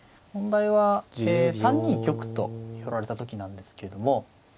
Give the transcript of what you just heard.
問題は３二玉と寄られた時なんですけども。